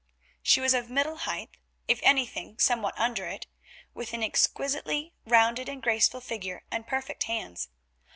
She was of middle height, if anything somewhat under it, with an exquisitely rounded and graceful figure and perfect hands.